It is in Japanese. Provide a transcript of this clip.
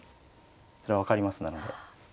それは分かりますなので。